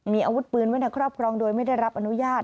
มีอาวุธปืนไว้ในครอบครองโดยไม่ได้รับอนุญาต